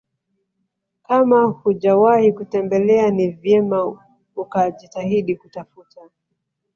kama hujawahi kutembelea ni vyema ukajitahidi kutafuta